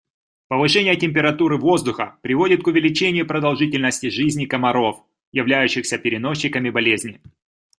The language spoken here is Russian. Повышение температуры воздуха приводит к увеличению продолжительности жизни комаров, являющихся переносчиками болезни.